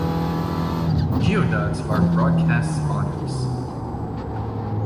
Geoducks are broadcast spawners.